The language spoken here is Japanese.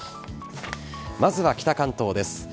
まずは北関東です。